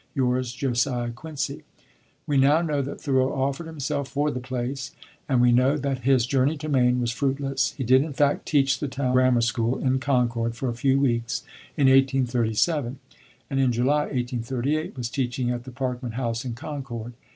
Yours, "JOSIAH QUINCY." We now know that Thoreau offered himself for the place; and we know that his journey to Maine was fruitless. He did, in fact, teach the town grammar school in Concord for a few weeks in 1837, and in July, 1838, was teaching, at the Parkman house, in Concord.